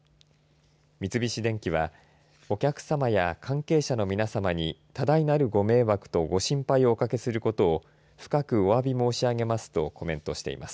三菱電機はお客様や関係者の皆さまに多大なるご迷惑とご心配をおかけすることを深くおわび申し上げますとコメントしています。